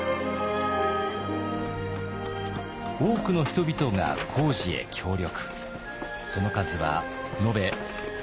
多くの人々が工事へ協力。